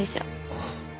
ああ。